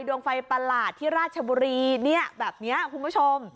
ดวงไฟประหลาดที่ราชบุรีเนี่ยแบบนี้คุณผู้ชม